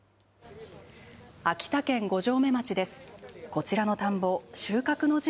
秋田県五城目町です。